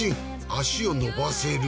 足を伸ばせる。